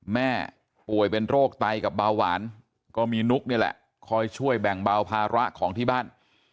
แม่ป่วยเป็นโรคไตกับเบาหวานก็มีนุ๊กนี่แหละคอยช่วยแบ่งเบาภาระของที่บ้าน